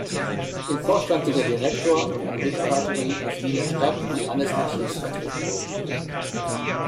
Im Vorstand sind der Direktor und eine Mitarbeiterin des Wiener Stadt- und Landesarchivs vertreten.